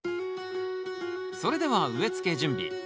それでは植えつけ準備。